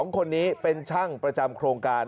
๒คนนี้เป็นช่างประจำโครงการ